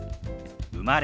「生まれ」。